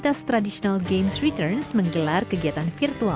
khususnya untuk remaja ya